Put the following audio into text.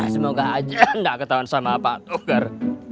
semoga aja nggak ketahuan sama pak togar